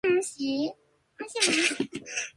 旅行で新しい場所を発見したい。